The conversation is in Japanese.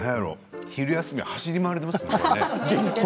昼休み、走り回りますね。